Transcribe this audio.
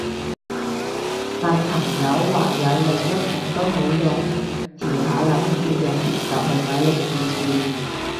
但朋友話有另一種都好用，遲下諗住用完就去買嚟試試